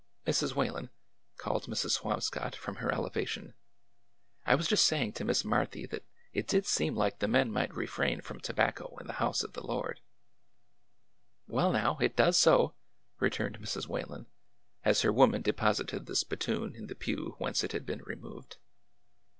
Mrs. Whalen/' called Mrs. Swamscott from her ele vation, " I was just saying to Miss Marthy that it did seem like the men might refrain from tobacco in the house of the Lord." Well, now, it does so !" returned Mrs. Whalen, as her woman deposited the spittoon in the pew whence it had been removed.